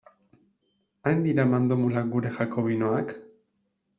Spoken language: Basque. Hain dira mandomulak gure jakobinoak?